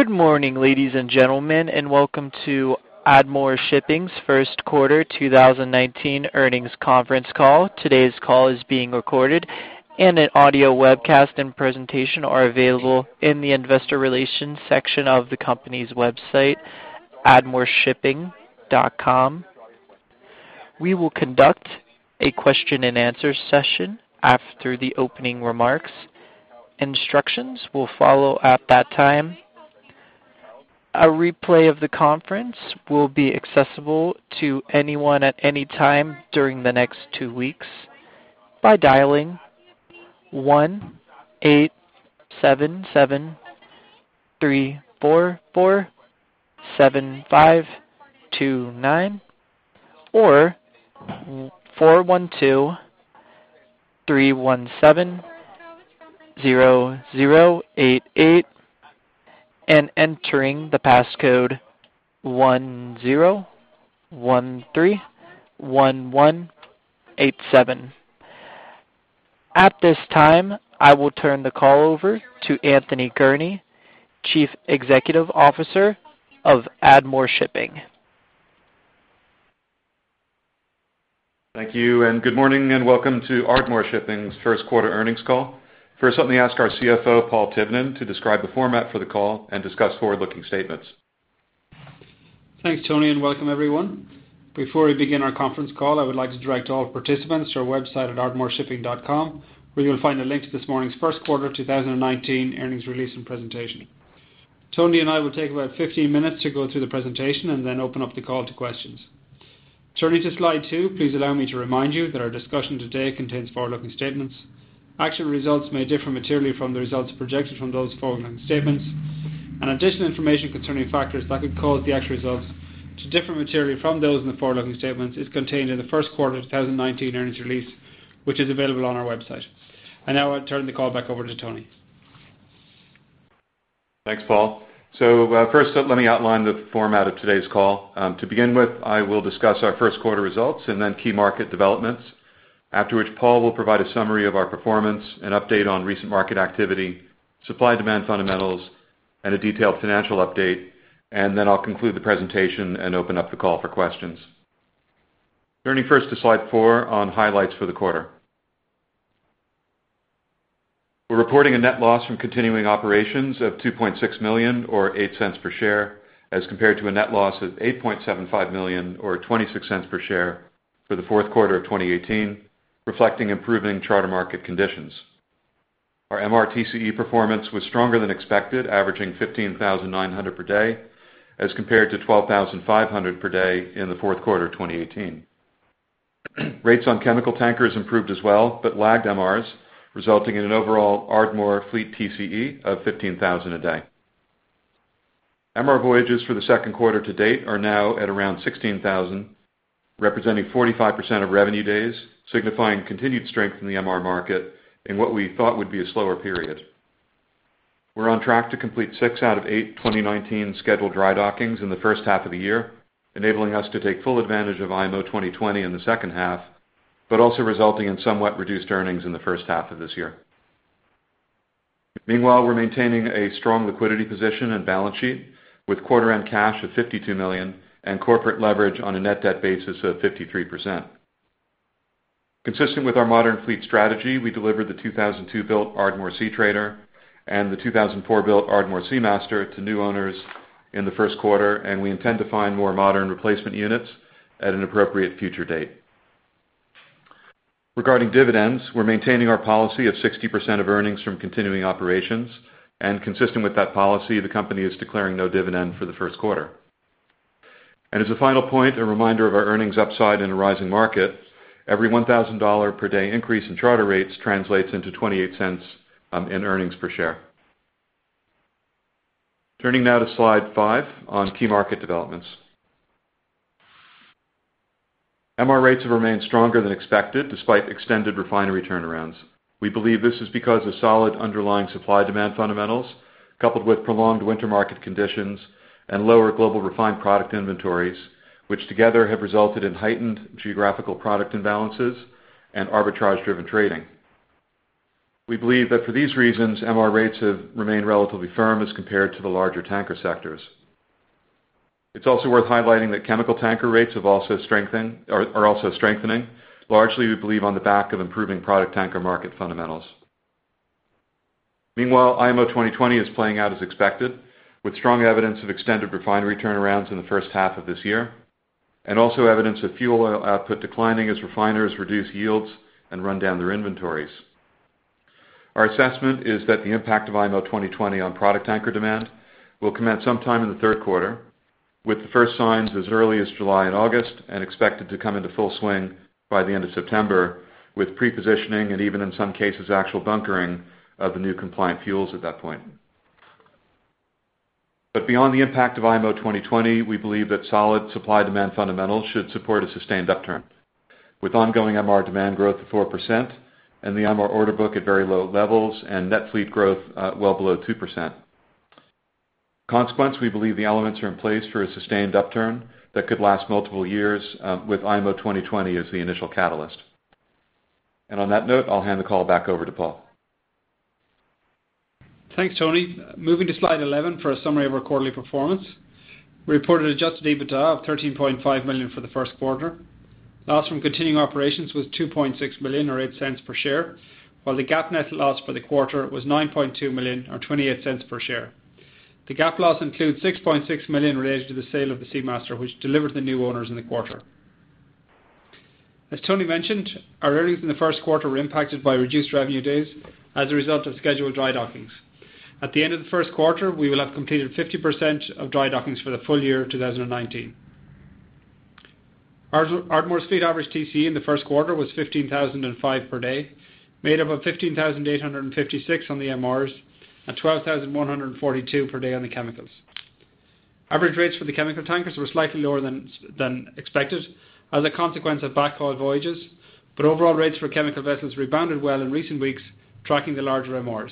Good morning, ladies and gentlemen, and welcome to Ardmore Shipping's First Quarter 2019 Earnings Conference Call. Today's call is being recorded, and an audio webcast and presentation are available in the investor relations section of the company's website, ardmoreshipping.com. We will conduct a question-and-answer session after the opening remarks. Instructions will follow at that time. A replay of the conference will be accessible to anyone at any time during the next two weeks by dialing 1-877-344-7529 or 412-317-0088, and entering the passcode 10131187. At this time, I will turn the call over to Anthony Gurnee, Chief Executive Officer of Ardmore Shipping. Thank you, and good morning, and welcome to Ardmore Shipping's first quarter earnings call. First, let me ask our CFO, Paul Tivnan, to describe the format for the call and discuss forward-looking statements. Thanks, Tony, and welcome, everyone. Before we begin our conference call, I would like to direct all participants to our website at ardmoreshipping.com, where you'll find a link to this morning's first quarter 2019 earnings release and presentation. Tony and I will take about 15 minutes to go through the presentation and then open up the call to questions. Turning to slide two, please allow me to remind you that our discussion today contains forward-looking statements. Actual results may differ materially from the results projected from those forward-looking statements, and additional information concerning factors that could cause the actual results to differ materially from those in the forward-looking statements is contained in the first quarter of 2019 earnings release, which is available on our website. Now I'll turn the call back over to Tony. Thanks, Paul. So, first, let me outline the format of today's call. To begin with, I will discuss our first quarter results and then key market developments. After which, Paul will provide a summary of our performance, an update on recent market activity, supply-demand fundamentals, and a detailed financial update. Then I'll conclude the presentation and open up the call for questions. Turning first to slide four on highlights for the quarter. We're reporting a net loss from continuing operations of $2.6 million or $0.08 per share, as compared to a net loss of $8.75 million or $0.26 per share for the fourth quarter of 2018, reflecting improving charter market conditions. Our MR TCE performance was stronger than expected, averaging $15,900 per day, as compared to $12,500 per day in the fourth quarter of 2018. Rates on chemical tankers improved as well, but lagged MRs, resulting in an overall Ardmore fleet TCE of $15,000 a day. MR voyages for the second quarter to date are now at around $16,000, representing 45% of revenue days, signifying continued strength in the MR market in what we thought would be a slower period. We're on track to complete 6 out of 8 2019 scheduled dry dockings in the first half of the year, enabling us to take full advantage of IMO 2020 in the second half, but also resulting in somewhat reduced earnings in the first half of this year. Meanwhile, we're maintaining a strong liquidity position and balance sheet, with quarter-end cash of $52 million and corporate leverage on a net debt basis of 53%. Consistent with our modern fleet strategy, we delivered the 2002-built Ardmore Seatrader and the 2004-built Ardmore Seamaster to new owners in the first quarter, and we intend to find more modern replacement units at an appropriate future date. Regarding dividends, we're maintaining our policy of 60% of earnings from continuing operations, and consistent with that policy, the company is declaring no dividend for the first quarter. As a final point, a reminder of our earnings upside in a rising market. Every $1,000 per day increase in charter rates translates into $0.28 in earnings per share. Turning now to slide five on key market developments. MR rates have remained stronger than expected, despite extended refinery turnarounds. We believe this is because of solid underlying supply-demand fundamentals, coupled with prolonged winter market conditions and lower global refined product inventories, which together have resulted in heightened geographical product imbalances and arbitrage-driven trading. We believe that for these reasons, MR rates have remained relatively firm as compared to the larger tanker sectors. It's also worth highlighting that chemical tanker rates have also strengthened, or are also strengthening, largely, we believe, on the back of improving product tanker market fundamentals. Meanwhile, IMO 2020 is playing out as expected, with strong evidence of extended refinery turnarounds in the first half of this year, and also evidence of fuel oil output declining as refiners reduce yields and run down their inventories. Our assessment is that the impact of IMO 2020 on product tanker demand will commence sometime in the third quarter, with the first signs as early as July and August, and expected to come into full swing by the end of September, with pre-positioning and even in some cases, actual bunkering of the new compliant fuels at that point. But beyond the impact of IMO 2020, we believe that solid supply-demand fundamentals should support a sustained upturn, with ongoing MR demand growth of 4% and the MR order book at very low levels and net fleet growth well below 2%. Consequently, we believe the elements are in place for a sustained upturn that could last multiple years, with IMO 2020 as the initial catalyst. And on that note, I'll hand the call back over to Paul. Thanks, Tony. Moving to slide 11 for a summary of our quarterly performance. We reported adjusted EBITDA of $13.5 million for the first quarter. Loss from continuing operations was $2.6 million, or $0.08 per share, while the GAAP net loss for the quarter was $9.2 million, or $0.28 per share. The GAAP loss includes $6.6 million related to the sale of the Seamaster, which delivered to the new owners in the quarter. As Tony mentioned, our earnings in the first quarter were impacted by reduced revenue days as a result of scheduled dry dockings. At the end of the first quarter, we will have completed 50% of dry dockings for the full year of 2019. Ardmore's fleet average TC in the first quarter was 15,005 per day, made up of 15,856 on the MRs and 12,142 per day on the chemicals. Average rates for the chemical tankers were slightly lower than expected as a consequence of backhaul voyages, but overall rates for chemical vessels rebounded well in recent weeks, tracking the larger MRs.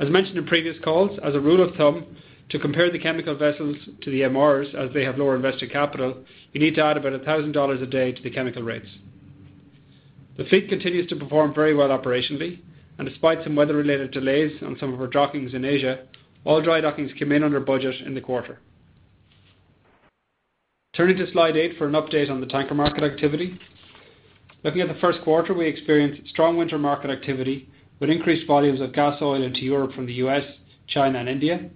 As mentioned in previous calls, as a rule of thumb, to compare the chemical vessels to the MRs, as they have lower invested capital, you need to add about $1,000 a day to the chemical rates. The fleet continues to perform very well operationally, and despite some weather-related delays on some of our dockings in Asia, all dry dockings came in under budget in the quarter. Turning to slide eight for an update on the tanker market activity. Looking at the first quarter, we experienced strong winter market activity with increased volumes of gas oil into Europe from the US, China and India,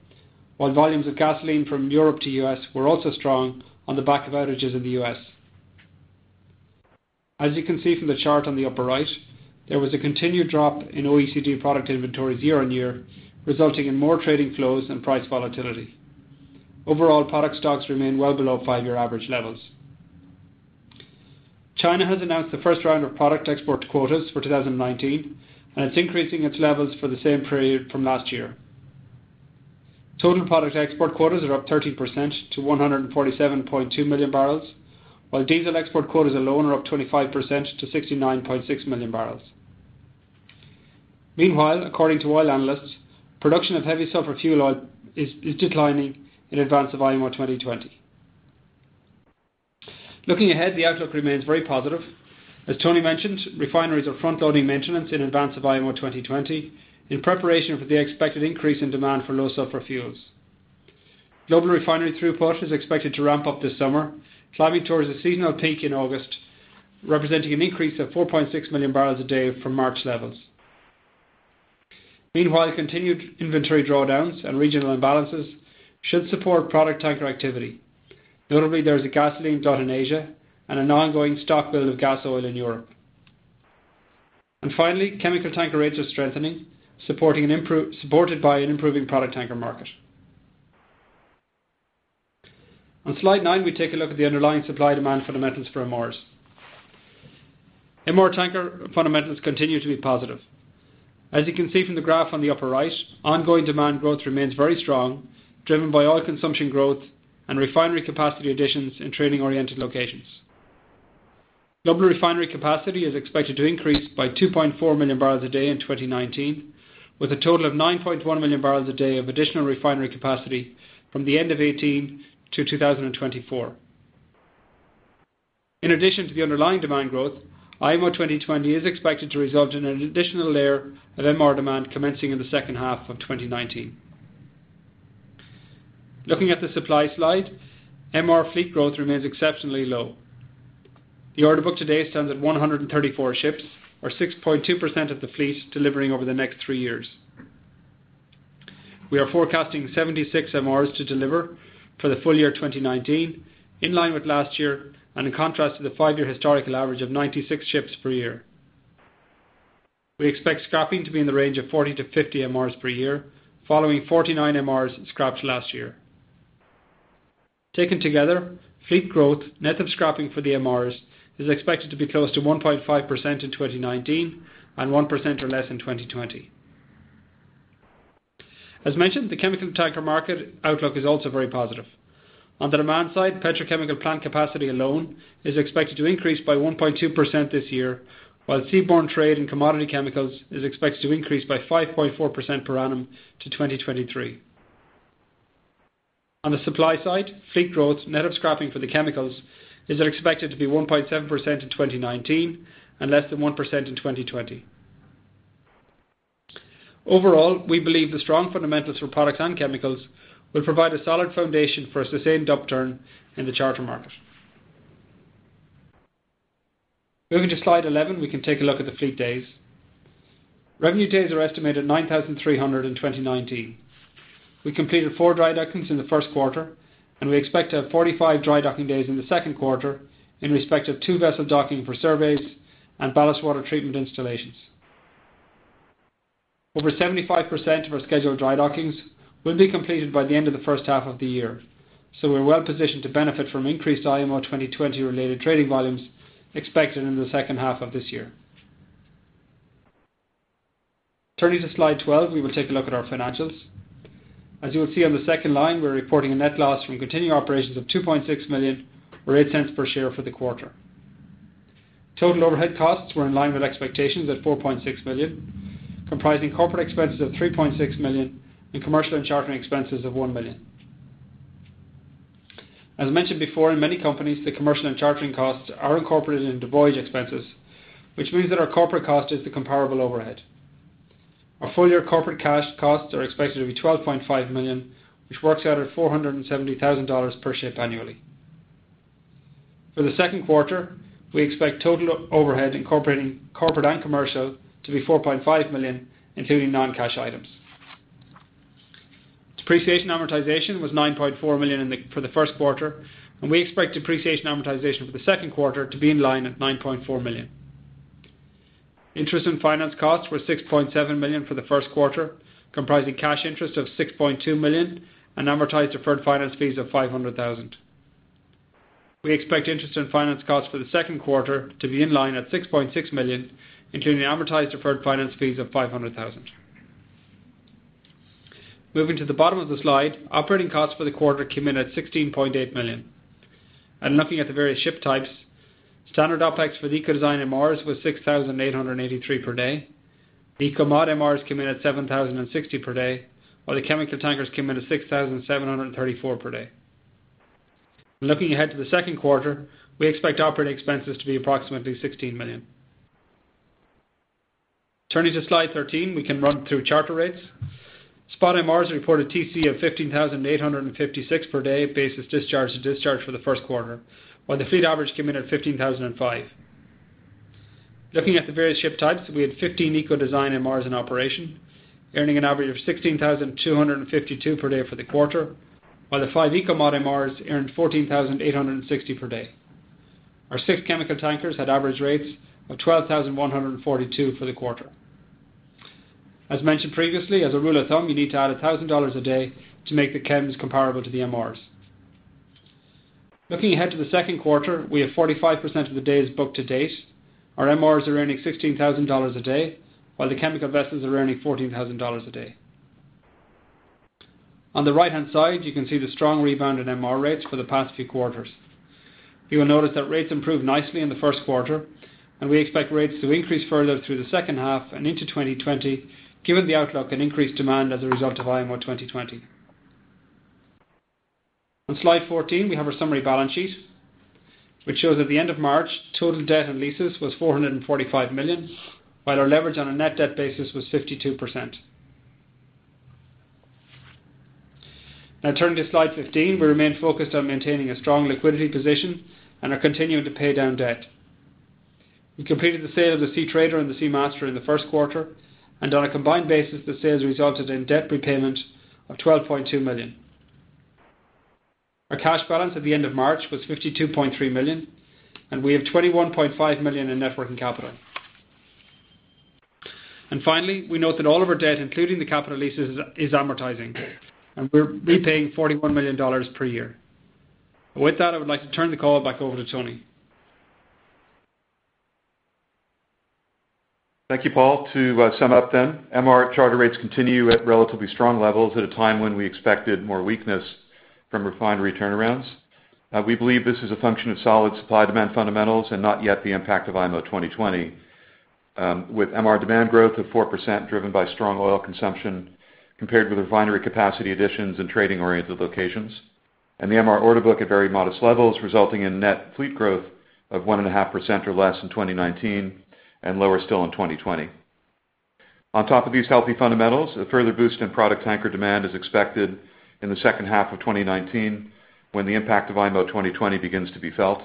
while volumes of gasoline from Europe to US were also strong on the back of outages in the US. As you can see from the chart on the upper right, there was a continued drop in OECD product inventories year-on-year, resulting in more trading flows and price volatility. Overall, product stocks remain well below five year average levels. China has announced the first round of product export quotas for 2019, and it's increasing its levels for the same period from last year. Total product export quotas are up 13% to 147.2 million barrels, while diesel export quotas alone are up 25% to 69.6 million barrels. Meanwhile, according to oil analysts, production of heavy sulfur fuel oil is declining in advance of IMO 2020. Looking ahead, the outlook remains very positive. As Tony mentioned, refineries are front-loading maintenance in advance of IMO 2020 in preparation for the expected increase in demand for low sulfur fuels. Global refinery throughput is expected to ramp up this summer, climbing towards a seasonal peak in August, representing an increase of 4.6 million barrels a day from March levels. Meanwhile, continued inventory drawdowns and regional imbalances should support product tanker activity. Notably, there is a gasoline glut in Asia and an ongoing stock build of gas oil in Europe. And finally, chemical tanker rates are strengthening, supported by an improving product tanker market. On slide nine, we take a look at the underlying supply-demand fundamentals for MRs. MR tanker fundamentals continue to be positive. As you can see from the graph on the upper right, ongoing demand growth remains very strong, driven by oil consumption growth and refinery capacity additions in trading-oriented locations. Global refinery capacity is expected to increase by 2.4 million barrels a day in 2019, with a total of 9.1 million barrels a day of additional refinery capacity from the end of 2018 to 2024. In addition to the underlying demand growth, IMO 2020 is expected to result in an additional layer of MR demand commencing in the second half of 2019. Looking at the supply slide, MR fleet growth remains exceptionally low. The order book today stands at 134 ships, or 6.2% of the fleet delivering over the next three years. We are forecasting 76 MRs to deliver for the full year of 2019, in line with last year, and in contrast to the five year historical average of 96 ships per year. We expect scrapping to be in the range of 40-50 MRs per year, following 49 MRs scrapped last year. Taken together, fleet growth, net of scrapping for the MRs, is expected to be close to 1.5% in 2019 and 1% or less in 2020. As mentioned, the chemical tanker market outlook is also very positive. On the demand side, petrochemical plant capacity alone is expected to increase by 1.2% this year, while seaborne trade in commodity chemicals is expected to increase by 5.4% per annum to 2023. On the supply side, fleet growth, net of scrapping for the chemicals, is expected to be 1.7% in 2019 and less than 1% in 2020. Overall, we believe the strong fundamentals for products and chemicals will provide a solid foundation for a sustained upturn in the charter market. Moving to slide 11, we can take a look at the fleet days. Revenue days are estimated 9,300 in 2019. We completed four dry dockings in the first quarter, and we expect to have 45 dry docking days in the second quarter in respect of two vessel docking for surveys and ballast water treatment installations. Over 75% of our scheduled dry dockings will be completed by the end of the first half of the year, so we're well positioned to benefit from increased IMO 2020-related trading volumes expected in the second half of this year. Turning to slide 12, we will take a look at our financials. As you will see on the second line, we're reporting a net loss from continuing operations of $2.6 million, or $0.08 per share for the quarter. Total overhead costs were in line with expectations at $4.6 million, comprising corporate expenses of $3.6 million and commercial and chartering expenses of $1 million. As mentioned before, in many companies, the commercial and chartering costs are incorporated in the voyage expenses, which means that our corporate cost is the comparable overhead. Our full year corporate cash costs are expected to be $12.5 million, which works out at $470,000 per ship annually. For the second quarter, we expect total overhead incorporating corporate and commercial to be $4.5 million, including non-cash items. Depreciation amortization was $9.4 million for the first quarter, and we expect depreciation amortization for the second quarter to be in line at $9.4 million. Interest and finance costs were $6.7 million for the first quarter, comprising cash interest of $6.2 million and amortized deferred finance fees of $500,000. We expect interest and finance costs for the second quarter to be in line at $6.6 million, including amortized deferred finance fees of $500,000. Moving to the bottom of the slide, operating costs for the quarter came in at $16.8 million. Looking at the various ship types, standard OpEx for the Eco design MRs was $6,883 per day. The Eco mod MRs came in at $7,060 per day, while the chemical tankers came in at $6,734 per day. Looking ahead to the second quarter, we expect operating expenses to be approximately $16 million. Turning to slide 13, we can run through charter rates. Spot MRs reported TC of $15,856 per day, basis discharge to discharge for the first quarter, while the fleet average came in at $15,005. Looking at the various ship types, we had 15 eco design MRs in operation, earning an average of $16,252 per day for the quarter, while the five eco mod MRs earned $14,860 per day. Our six chemical tankers had average rates of $12,142 for the quarter. As mentioned previously, as a rule of thumb, you need to add $1,000 a day to make the chems comparable to the MRs. Looking ahead to the second quarter, we have 45% of the days booked to date. Our MRs are earning $16,000 a day, while the chemical vessels are earning $14,000 a day. On the right-hand side, you can see the strong rebound in MR rates for the past few quarters. You will notice that rates improved nicely in the first quarter, and we expect rates to increase further through the second half and into 2020, given the outlook and increased demand as a result of IMO 2020. On slide 14, we have our summary balance sheet, which shows at the end of March, total debt and leases was $445 million, while our leverage on a net debt basis was 52%. Now turning to slide 15, we remain focused on maintaining a strong liquidity position and are continuing to pay down debt. We completed the sale of the Seatrader and the Seamaster in the first quarter, and on a combined basis, the sales resulted in debt repayment of $12.2 million. Our cash balance at the end of March was $52.3 million, and we have $21.5 million in net working capital. And finally, we note that all of our debt, including the capital leases, is amortizing, and we're repaying $41 million per year. With that, I would like to turn the call back over to Tony. Thank you, Paul. To sum up then, MR charter rates continue at relatively strong levels at a time when we expected more weakness from refinery turnarounds. We believe this is a function of solid supply-demand fundamentals and not yet the impact of IMO 2020, with MR demand growth of 4%, driven by strong oil consumption compared with refinery capacity additions and trading-oriented locations, and the MR order book at very modest levels, resulting in net fleet growth of 1.5% or less in 2019 and lower still in 2020. On top of these healthy fundamentals, a further boost in product tanker demand is expected in the second half of 2019, when the impact of IMO 2020 begins to be felt.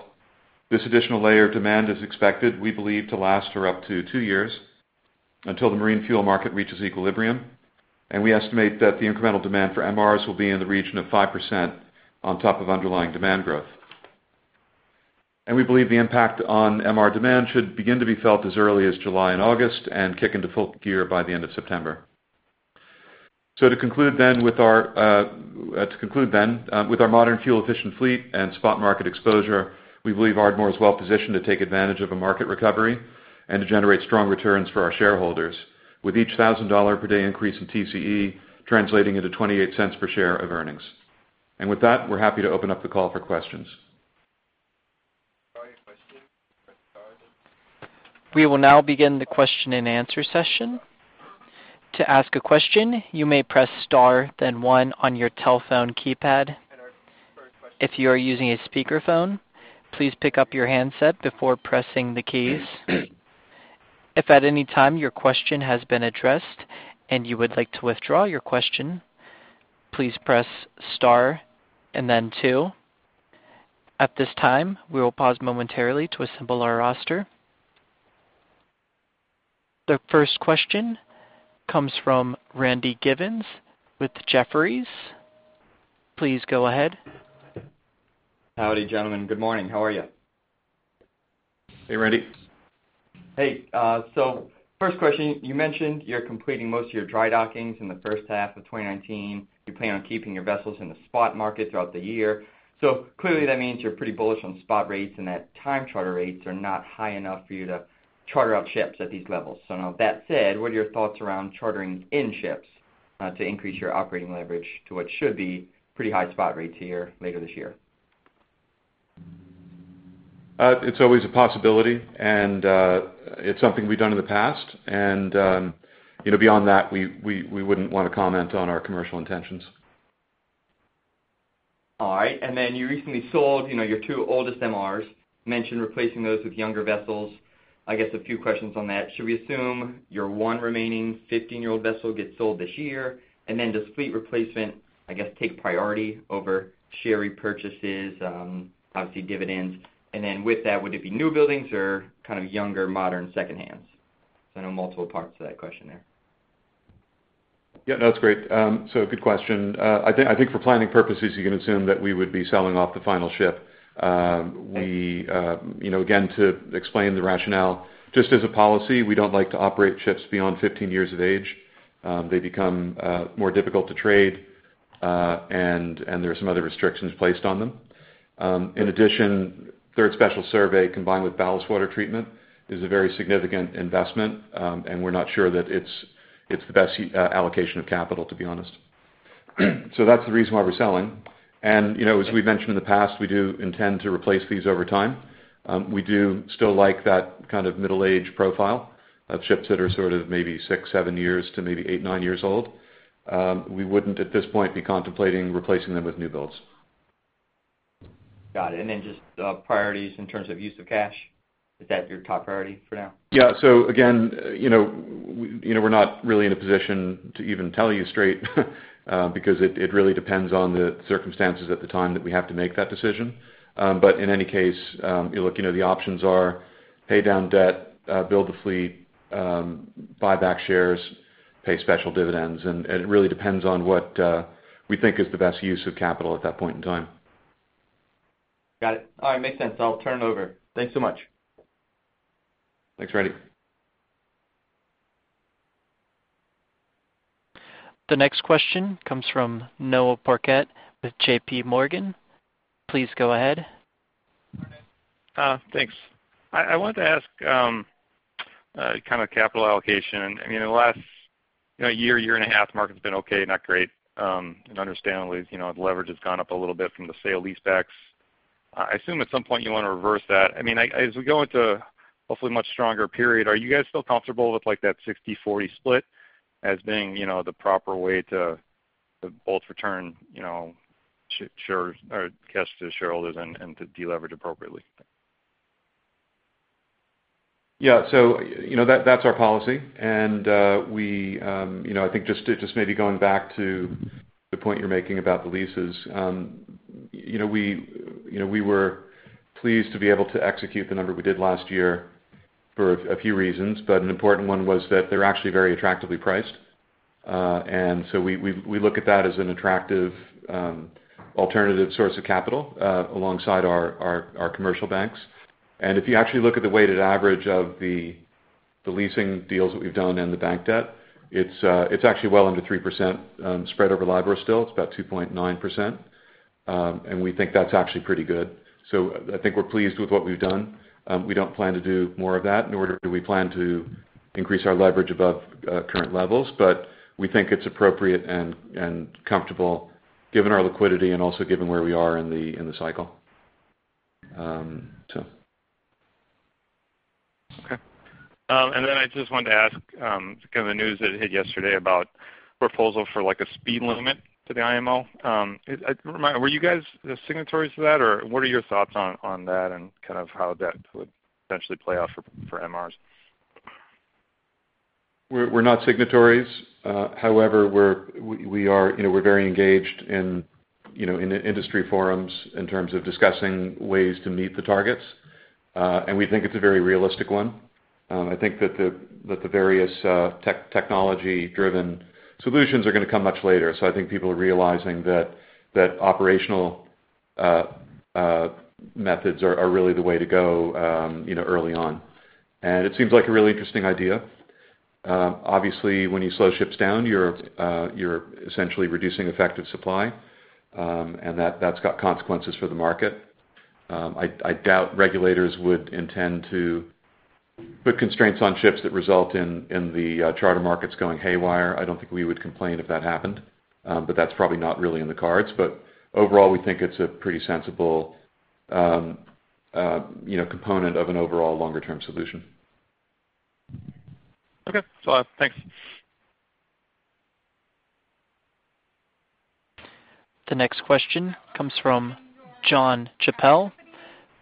This additional layer of demand is expected, we believe, to last for up to two years until the marine fuel market reaches equilibrium, and we estimate that the incremental demand for MRs will be in the region of 5% on top of underlying demand growth. We believe the impact on MR demand should begin to be felt as early as July and August and kick into full gear by the end of September. To conclude then, with our modern fuel efficient fleet and spot market exposure, we believe Ardmore is well positioned to take advantage of a market recovery and to generate strong returns for our shareholders, with each $1,000 per day increase in TCE translating into $0.28 per share of earnings. With that, we're happy to open up the call for questions. We will now begin the question and answer session. To ask a question, you may press star, then one on your telephone keypad. If you are using a speakerphone, please pick up your handset before pressing the keys. If at any time your question has been addressed and you would like to withdraw your question, please press star and then two. At this time, we will pause momentarily to assemble our roster. The first question comes from Randy Giveans with Jefferies. Please go ahead. Howdy, gentlemen. Good morning. How are you? Hey, Randy. Hey, so first question, you mentioned you're completing most of your dry dockings in the first half of 2019. You plan on keeping your vessels in the spot market throughout the year. So clearly, that means you're pretty bullish on spot rates and that time charter rates are not high enough for you to charter out ships at these levels. So now with that said, what are your thoughts around chartering in ships to increase your operating leverage to what should be pretty high spot rates here later this year?... it's always a possibility, and it's something we've done in the past. You know, beyond that, we wouldn't want to comment on our commercial intentions. All right. And then you recently sold, you know, your two oldest MRs, mentioned replacing those with younger vessels. I guess a few questions on that: Should we assume your one remaining 15-year-old vessel gets sold this year? And then does fleet replacement, I guess, take priority over share repurchases, obviously, dividends? And then with that, would it be new buildings or kind of younger, modern second-hands? So I know multiple parts to that question there. Yeah, no, that's great. So good question. I think, I think for planning purposes, you can assume that we would be selling off the final ship. We, you know, again, to explain the rationale, just as a policy, we don't like to operate ships beyond 15 years of age. They become more difficult to trade, and there are some other restrictions placed on them. In addition, Third Special Survey, combined with ballast water treatment, is a very significant investment, and we're not sure that it's the best allocation of capital, to be honest. So that's the reason why we're selling. And, you know, as we've mentioned in the past, we do intend to replace these over time. We do still like that kind of middle-age profile of ships that are sort of maybe six to seven years to maybe eight to nine years old. We wouldn't, at this point, be contemplating replacing them with new builds. Got it. And then just, priorities in terms of use of cash, is that your top priority for now? Yeah. So again, you know, we, you know, we're not really in a position to even tell you straight, because it really depends on the circumstances at the time that we have to make that decision. But in any case, you look, you know, the options are pay down debt, build the fleet, buy back shares, pay special dividends, and it really depends on what we think is the best use of capital at that point in time. Got it. All right, makes sense. I'll turn it over. Thanks so much. Thanks, Randy. The next question comes from Noah Parquette with J.P. Morgan. Please go ahead. Thanks. I wanted to ask kind of capital allocation. I mean, in the last, you know, year, year and a half, market's been okay, not great, and understandably, you know, the leverage has gone up a little bit from the sale-leasebacks. I assume at some point you want to reverse that. I mean, as we go into hopefully a much stronger period, are you guys still comfortable with, like, that 60/40 split as being, you know, the proper way to both return, you know, shares or cash to shareholders and, and to deleverage appropriately? Yeah. So, you know, that, that's our policy. And, we, you know, I think just maybe going back to the point you're making about the leases, you know, we, you know, we were pleased to be able to execute the number we did last year for a, a few reasons, but an important one was that they're actually very attractively priced. And so we, we, we look at that as an attractive, alternative source of capital, alongside our, our, our commercial banks. And if you actually look at the weighted average of the, the leasing deals that we've done and the bank debt, it's, it's actually well under 3%, spread over LIBOR still, it's about 2.9%. And we think that's actually pretty good. So I think we're pleased with what we've done. We don't plan to do more of that, nor do we plan to increase our leverage above current levels, but we think it's appropriate and comfortable given our liquidity and also given where we are in the cycle. So. Okay. And then I just wanted to ask kind of the news that hit yesterday about proposal for, like, a speed limit to the IMO. Remind me, were you guys signatories to that, or what are your thoughts on that and kind of how that would potentially play out for MRs? We're not signatories. However, we are, you know, we're very engaged in, you know, in industry forums in terms of discussing ways to meet the targets, and we think it's a very realistic one. I think that the various, technology-driven solutions are gonna come much later. So I think people are realizing that operational methods are really the way to go, you know, early on. And it seems like a really interesting idea. Obviously, when you slow ships down, you're essentially reducing effective supply, and that's got consequences for the market. I doubt regulators would intend to put constraints on ships that result in the charter markets going haywire. I don't think we would complain if that happened, but that's probably not really in the cards. But overall, we think it's a pretty sensible, you know, component of an overall longer-term solution. Okay. Well, thanks. The next question comes from John Chappell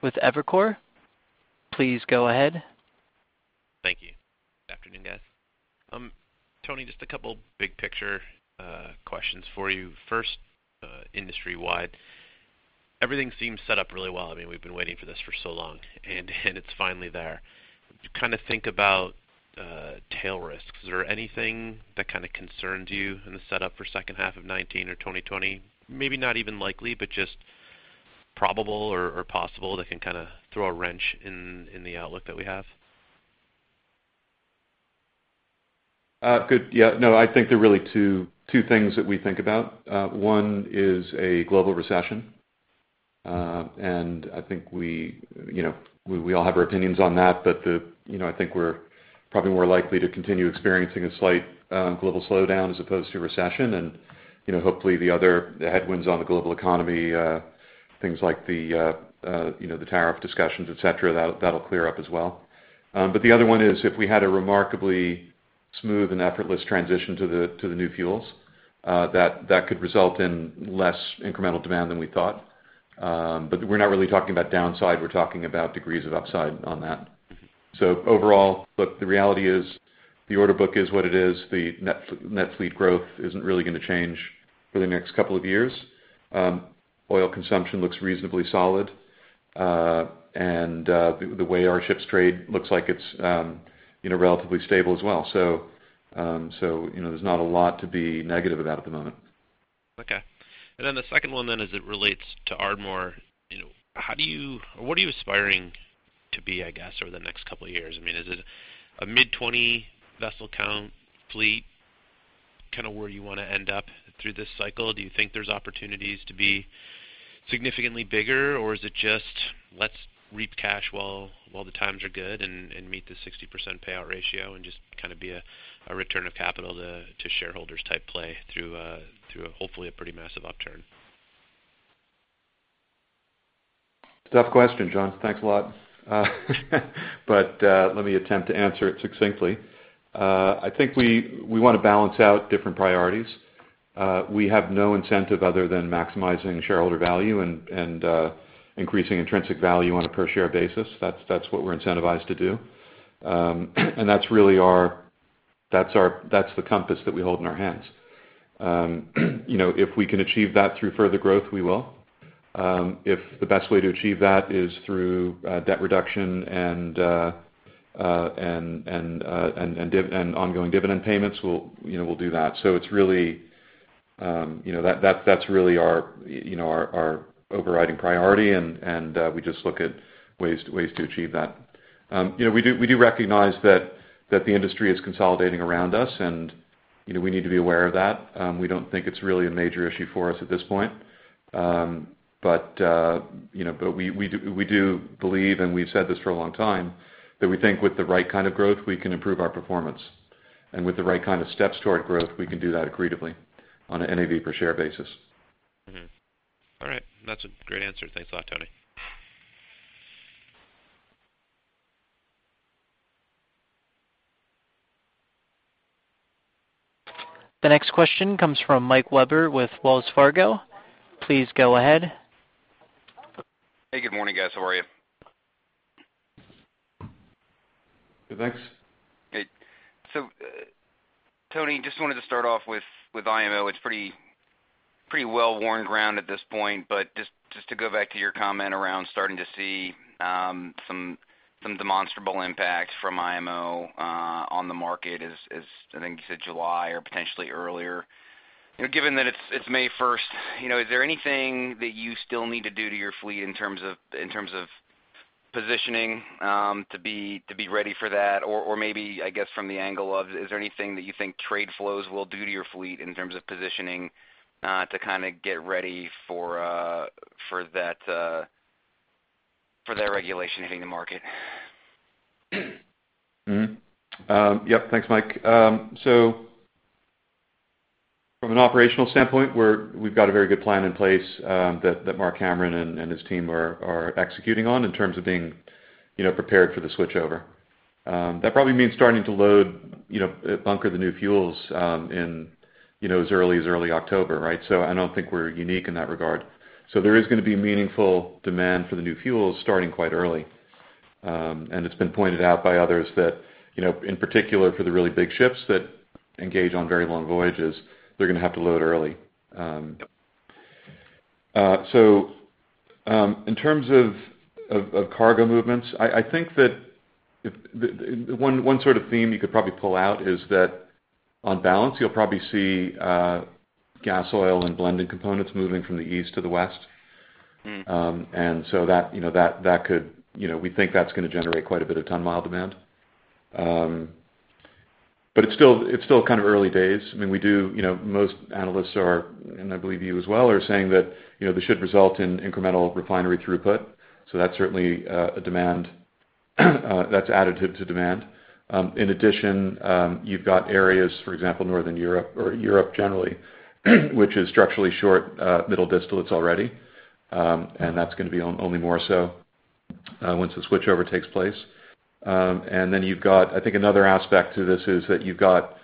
with Evercore. Please go ahead. Thank you. Afternoon, guys. Tony, just a couple big picture questions for you. First, industry-wide, everything seems set up really well. I mean, we've been waiting for this for so long, and, and it's finally there. To kind of think about, tail risks, is there anything that kind of concerns you in the setup for second half of 2019 or 2020? Maybe not even likely, but just probable or, or possible, that can kind of throw a wrench in, in the outlook that we have? Good. Yeah, no, I think there are really two things that we think about. One is a global recession, and I think we, you know, we all have our opinions on that, but. You know, I think we're probably more likely to continue experiencing a slight global slowdown as opposed to a recession. And, you know, hopefully, the other headwinds on the global economy, things like, you know, the tariff discussions, et cetera, that'll clear up as well. But the other one is, if we had a remarkably smooth and effortless transition to the new fuels, that could result in less incremental demand than we thought. But we're not really talking about downside, we're talking about degrees of upside on that. So overall, look, the reality is the order book is what it is. The net fleet growth isn't really gonna change for the next couple of years. Oil consumption looks reasonably solid, and the way our ships trade looks like it's, you know, relatively stable as well. So, you know, there's not a lot to be negative about at the moment. Okay. And then the second one then, as it relates to Ardmore, you know, how do you-- or what are you aspiring to be, I guess, over the next couple of years? I mean, is it a mid-20 vessel count fleet, kind of where you wanna end up through this cycle? Do you think there's opportunities to be significantly bigger, or is it just, let's reap cash while, while the times are good and, and meet the 60% payout ratio and just kind of be a, a return of capital to, to shareholders type play through a, through a, hopefully, a pretty massive upturn? Tough question, John. Thanks a lot. But let me attempt to answer it succinctly. I think we wanna balance out different priorities. We have no incentive other than maximizing shareholder value and increasing intrinsic value on a per-share basis. That's what we're incentivized to do. And that's really the compass that we hold in our hands. You know, if we can achieve that through further growth, we will. If the best way to achieve that is through debt reduction and ongoing dividend payments, we'll, you know, do that. So it's really, you know, that's really our, you know, our overriding priority, and we just look at ways to achieve that. You know, we do recognize that the industry is consolidating around us, and, you know, we need to be aware of that. But you know, we do believe, and we've said this for a long time, that we think with the right kind of growth, we can improve our performance. With the right kind of steps toward growth, we can do that accretively on an NAV per share basis. Mm-hmm. All right. That's a great answer. Thanks a lot, Tony. The next question comes from Michael Webber with Wells Fargo. Please go ahead. Hey, good morning, guys. How are you? Good, thanks. Great. So, Tony, just wanted to start off with, with IMO. It's pretty, pretty well-worn ground at this point, but just, just to go back to your comment around starting to see, some, some demonstrable impacts from IMO, on the market is, is, I think you said July or potentially earlier. You know, given that it's, it's May 1st, you know, is there anything that you still need to do to your fleet in terms of, in terms of positioning, to be, to be ready for that? Or, or maybe, I guess, from the angle of, is there anything that you think trade flows will do to your fleet in terms of positioning, to kind of get ready for, for that, for that regulation hitting the market? Mm-hmm. Yep, thanks, Mike. So from an operational standpoint, we've got a very good plan in place that Mark Cameron and his team are executing on in terms of being, you know, prepared for the switchover. That probably means starting to load, you know, bunker the new fuels in, you know, as early as early October, right? So I don't think we're unique in that regard. So there is gonna be meaningful demand for the new fuels starting quite early. And it's been pointed out by others that, you know, in particular, for the really big ships that engage on very long voyages, they're gonna have to load early. So, in terms of cargo movements, I think that if the one sort of theme you could probably pull out is that on balance, you'll probably see gas oil and blended components moving from the east to the west. Mm. So that, you know, that could. You know, we think that's gonna generate quite a bit of ton-mile demand. But it's still kind of early days. I mean, we do, you know, most analysts are, and I believe you as well, are saying that, you know, this should result in incremental refinery throughput, so that's certainly a demand that's additive to demand. In addition, you've got areas, for example, Northern Europe or Europe generally, which is structurally short middle distillates already. And that's gonna be only more so once the switchover takes place. Then you've got, I think, another aspect to this is that you've got,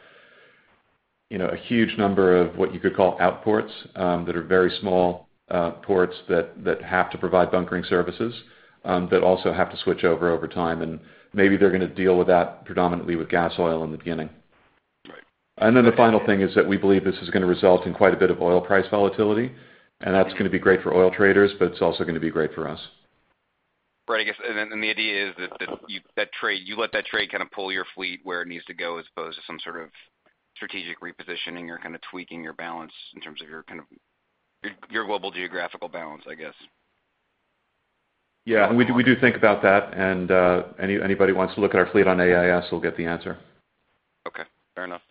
you know, a huge number of what you could call outports that are very small ports that have to provide bunkering services that also have to switch over time, and maybe they're gonna deal with that predominantly with gas oil in the beginning. Right. And then the final thing is that we believe this is gonna result in quite a bit of oil price volatility, and that's gonna be great for oil traders, but it's also gonna be great for us. Right. I guess, and then, and the idea is that, that you, that trade—you let that trade kind of pull your fleet where it needs to go, as opposed to some sort of strategic repositioning or kind of tweaking your balance in terms of your, kind of, your, your global geographical balance, I guess. Yeah, we do, we do think about that, and anybody wants to look at our fleet on AIS will get the answer. Okay, fair enough.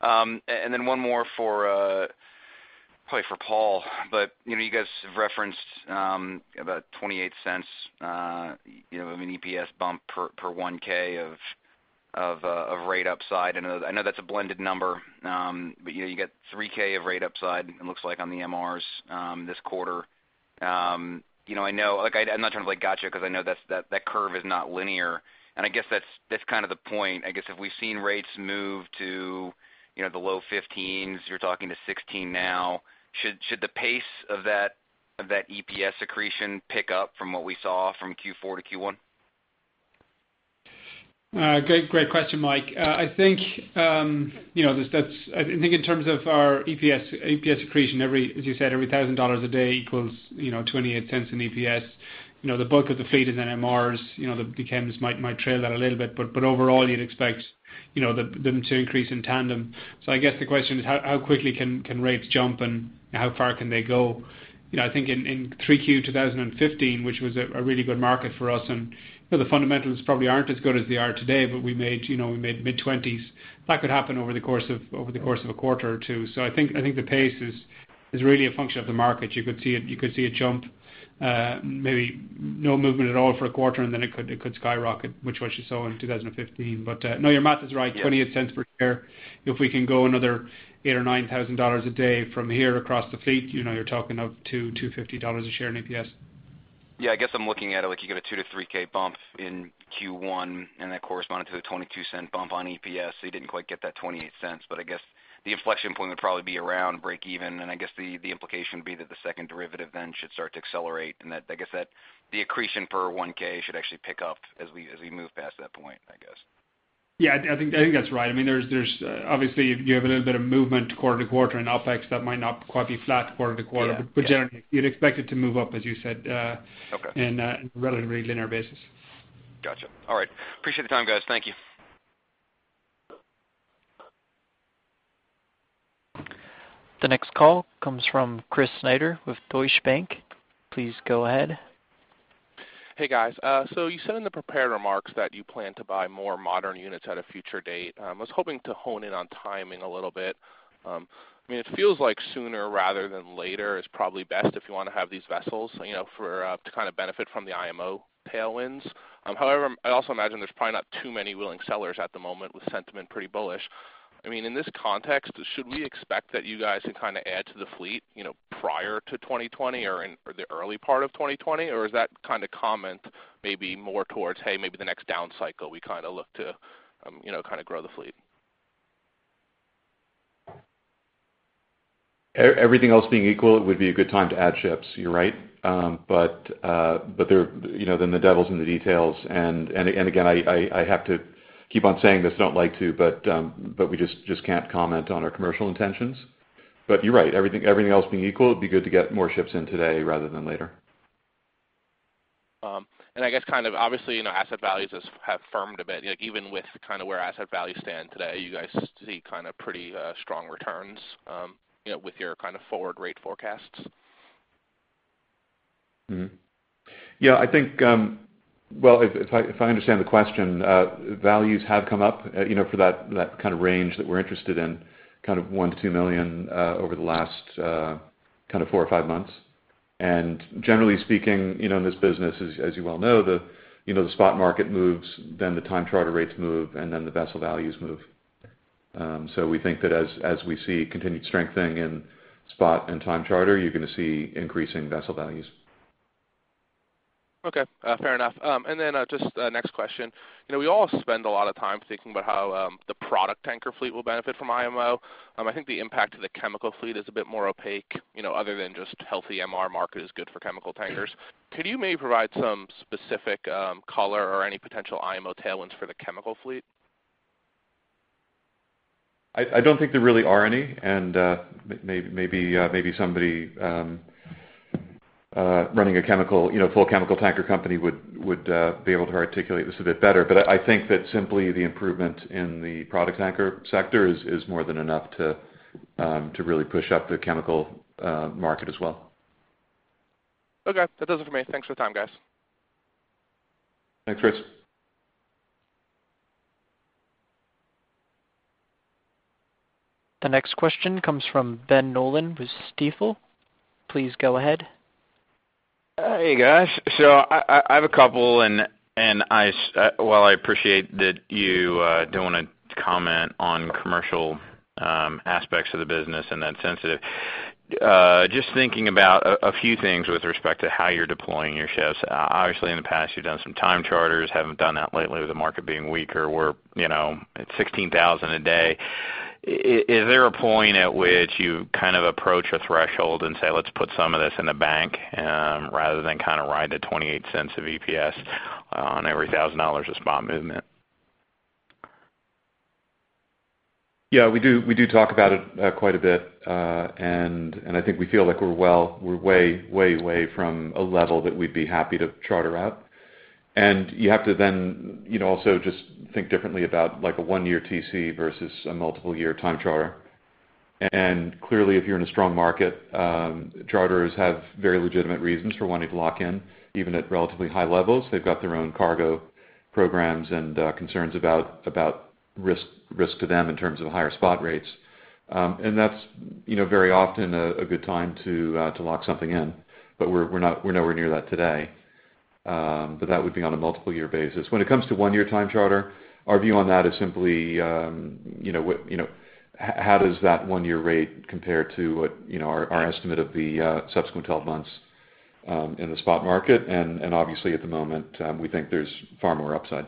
And then one more for probably Paul, but you know, you guys have referenced about $0.28, you know, an EPS bump per $1,000 of rate upside. I know that's a blended number, but you know, you got $3,000 of rate upside, it looks like on the MRs this quarter. You know, I know like, I'm not trying to play gotcha, 'cause I know that's that curve is not linear, and I guess that's kind of the point. I guess if we've seen rates move to you know, the low $15, you're talking to $16 now, should the pace of that EPS accretion pick up from what we saw from Q4 to Q1? Great, great question, Mike. I think you know, that's. I think in terms of our EPS, EPS accretion, every, as you said, every $1,000 a day equals, you know, $0.28 in EPS. You know, the bulk of the fleet is MRs. You know, the chemicals might trail that a little bit, but overall, you'd expect, you know, them to increase in tandem. So I guess the question is how quickly can rates jump, and how far can they go? You know, I think in 3Q 2015, which was a really good market for us, and, you know, the fundamentals probably aren't as good as they are today, but we made, you know, we made mid-20s. That could happen over the course of a quarter or two. I think, I think the pace is, is really a function of the market. You could see it—you could see it jump, maybe no movement at all for a quarter, and then it could, it could skyrocket, which what you saw in 2015. But, no, your math is right. Yeah. $0.28 per share. If we can go another $8,000-$9,000 a day from here across the fleet, you know, you're talking of $2.25 a share in EPS. Yeah, I guess I'm looking at it like you get a $2,000-$3,000 bump in Q1, and that corresponded to a $0.22 bump on EPS. So you didn't quite get that $0.28, but I guess the inflection point would probably be around breakeven. And I guess the, the implication would be that the second derivative then should start to accelerate, and that, I guess, that the accretion per $1,000 should actually pick up as we, as we move past that point, I guess. Yeah, I think that's right. I mean, there's obviously a little bit of movement quarter to quarter in OpEx that might not quite be flat quarter to quarter. Yeah. But generally, you'd expect it to move up, as you said. Okay... in a relatively linear basis. Gotcha. All right. Appreciate the time, guys. Thank you. The next call comes from Chris Snyder with Deutsche Bank. Please go ahead. Hey, guys. So you said in the prepared remarks that you plan to buy more modern units at a future date. I was hoping to hone in on timing a little bit. I mean, it feels like sooner rather than later is probably best if you want to have these vessels, you know, for to kind of benefit from the IMO tailwinds. However, I also imagine there's probably not too many willing sellers at the moment, with sentiment pretty bullish. I mean, in this context, should we expect that you guys to kind of add to the fleet, you know, prior to 2020 or in or the early part of 2020? Or is that kind of comment maybe more towards, "Hey, maybe the next down cycle, we kind of look to, you know, kind of grow the fleet? Everything else being equal, it would be a good time to add ships. You're right. But, but there, you know, then the devil's in the details. And, and again, I, I, I have to keep on saying this, don't like to, but, but we just, just can't comment on our commercial intentions. But you're right, everything, everything else being equal, it'd be good to get more ships in today rather than later. I guess kind of obviously, you know, asset values have firmed a bit. Like, even with kind of where asset values stand today, you guys see kind of pretty strong returns, you know, with your kind of forward rate forecasts? Yeah, I think, well, if I understand the question, values have come up, you know, for that kind of range that we're interested in, kind of $1 million-$2 million, over the last kind of four or five months. And generally speaking, you know, in this business, as you well know, the spot market moves, then the time charter rates move, and then the vessel values move. So we think that as we see continued strengthening in spot and time charter, you're gonna see increasing vessel values. Okay, fair enough. And then, just a next question. You know, we all spend a lot of time thinking about how the product tanker fleet will benefit from IMO. I think the impact of the chemical fleet is a bit more opaque, you know, other than just healthy MR market is good for chemical tankers. Could you maybe provide some specific color or any potential IMO tailwinds for the chemical fleet? I don't think there really are any, and maybe somebody running a chemical, you know, full chemical tanker company would be able to articulate this a bit better. But I think that simply the improvement in the product tanker sector is more than enough to really push up the chemical market as well. Okay. That does it for me. Thanks for the time, guys. Thanks, Chris. The next question comes from Ben Nolan with Stifel. Please go ahead. Hey, guys. So I have a couple, and while I appreciate that you don't wanna comment on commercial aspects of the business and that's sensitive, just thinking about a few things with respect to how you're deploying your ships. Obviously, in the past, you've done some time charters, haven't done that lately with the market being weaker where, you know, at $16,000 a day. Is there a point at which you kind of approach a threshold and say, "Let's put some of this in the bank," rather than kind of ride the $0.28 of EPS on every $1,000 of spot movement? Yeah, we do, we do talk about it quite a bit, and I think we feel like we're way, way, way from a level that we'd be happy to charter out. And you have to then, you know, also just think differently about, like, a one year TC versus a multiple year time charter. And clearly, if you're in a strong market, charters have very legitimate reasons for wanting to lock in, even at relatively high levels. They've got their own cargo programs and concerns about risk to them in terms of higher spot rates. And that's, you know, very often a good time to lock something in, but we're not-- we're nowhere near that today. But that would be on a multiple year basis. When it comes to one year time charter, our view on that is simply, you know, how does that one year rate compare to what, you know, our estimate of the subsequent 12 months in the spot market? And obviously, at the moment, we think there's far more upside.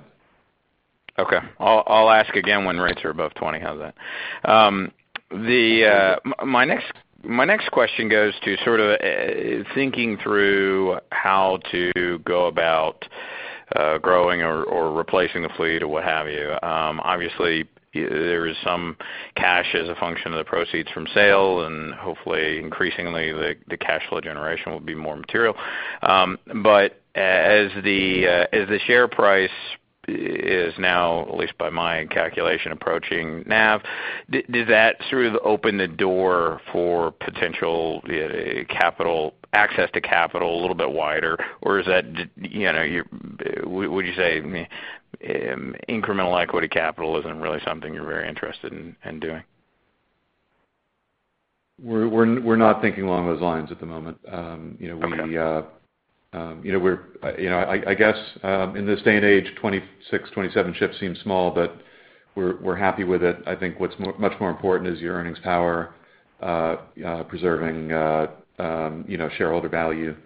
Okay. I'll ask again when rates are above 20, how's that? My next question goes to sort of thinking through how to go about growing or replacing the fleet or what have you. But as the share price is now, at least by my calculation, approaching NAV, did that sort of open the door for potential capital access to capital a little bit wider? Or is that, do you know, you're would you say incremental equity capital isn't really something you're very interested in doing? We're not thinking along those lines at the moment. You know, I guess in this day and age, 26, 27 ships seem small, but we're happy with it. I think what's much more important is your earnings power, preserving, you know, shareholder value,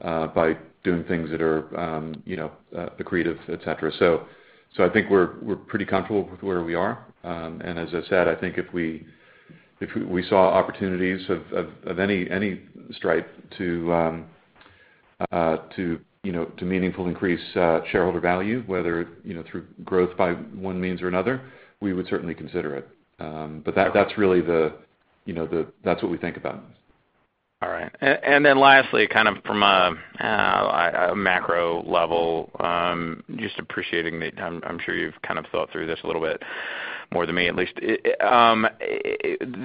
by doing things that are, you know, accretive, et cetera. So I think we're pretty comfortable with where we are. And as I said, I think if we saw opportunities of any stripe to, you know, to meaningful increase shareholder value, whether, you know, through growth by one means or another, we would certainly consider it. But that's really the, you know, the... That's what we think about. All right. And then lastly, kind of from a macro level, just appreciating that I'm sure you've kind of thought through this a little bit more than me, at least.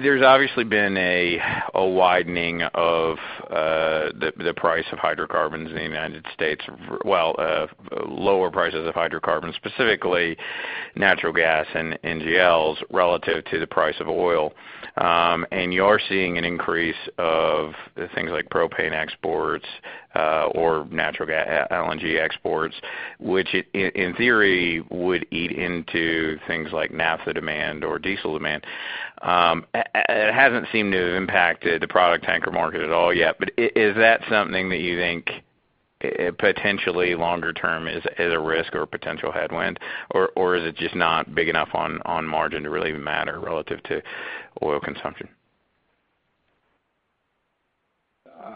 There's obviously been a widening of the price of hydrocarbons in the United States. Well, lower prices of hydrocarbons, specifically natural gas and NGLs, relative to the price of oil. And you're seeing an increase of the things like propane exports, or natural gas, LNG exports, which in theory, would eat into things like naphtha demand or diesel demand. It hasn't seemed to have impacted the product tanker market at all yet, but is that something that you think, potentially longer term is a risk or potential headwind? Or, is it just not big enough on margin to really matter relative to oil consumption?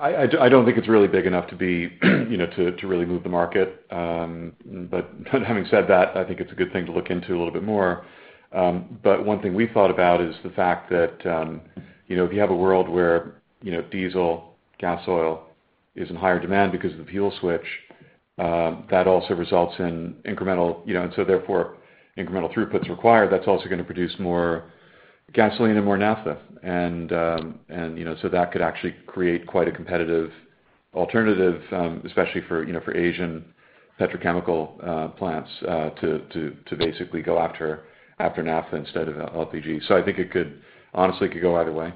I don't think it's really big enough to be, you know, to really move the market. But having said that, I think it's a good thing to look into a little bit more. But one thing we thought about is the fact that, you know, if you have a world where, you know, diesel, gas oil is in higher demand because of the fuel switch, that also results in incremental, you know, and so therefore, incremental throughputs required, that's also gonna produce more gasoline and more naphtha. And, you know, so that could actually create quite a competitive alternative, especially for, you know, for Asian petrochemical plants, to basically go after naphtha instead of LPG. So I think it could... Honestly, it could go either way.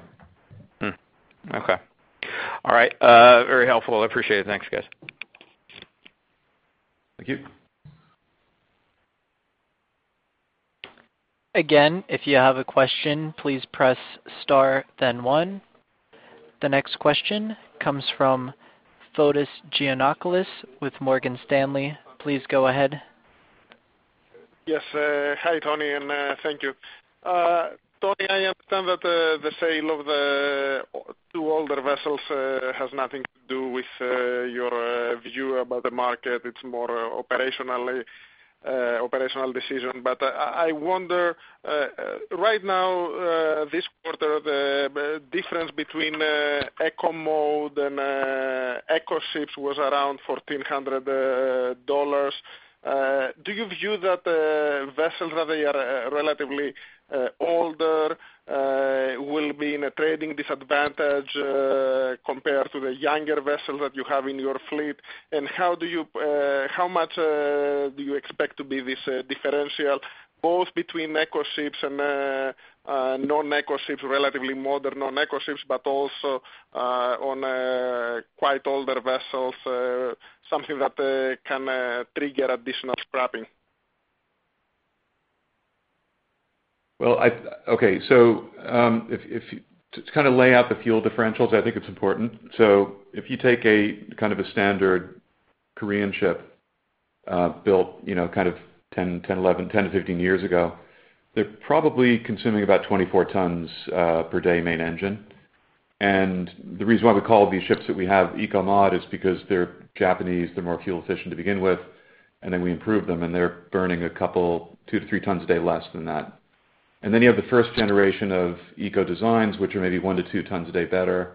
Okay. All right, very helpful. I appreciate it. Thanks, guys. Thank you. Again, if you have a question, please press star, then one. The next question comes from Fotis Giannakoulis with Morgan Stanley. Please go ahead. Yes, hi, Tony, and thank you. Tony, I understand that the sale of the two older vessels has nothing to do with your view about the market. It's more of an operational decision. But I wonder, right now, this quarter, the difference between Eco mod and Eco ships was around $1,400. Do you view that vessels that are relatively older will be in a trading disadvantage compared to the younger vessels that you have in your fleet? And how much do you expect this differential to be, both between Eco ships and non-Eco ships, relatively modern non-Eco ships, but also on quite older vessels, something that can trigger additional scrapping? Well, okay. So, if to kind of lay out the fuel differentials, I think it's important. So if you take a kind of a standard Korean ship, built, you know, kind of 10, 10, 11, 10-15 years ago, they're probably consuming about 24 tons per day main engine. And the reason why we call these ships that we have Eco Mod, is because they're Japanese, they're more fuel efficient to begin with, and then we improve them, and they're burning a couple, two to three tons a day less than that. And then you have the first generation of eco designs, which are maybe one to two tons a day better.